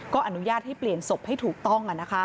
ก็อนุญาตให้เปลี่ยนศพให้ถูกต้อง